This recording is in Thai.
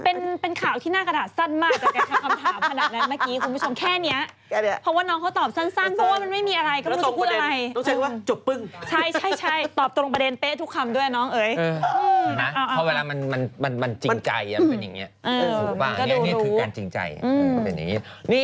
โอปอกับหมอโอ๊กเนี่ยเขาย้ายบ้านไปอยู่บ้านใหม่เนี่ย